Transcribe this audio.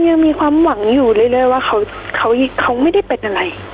ยังมีความหวังอยู่เรื่อยว่าเขาไม่ได้เป็นอะไร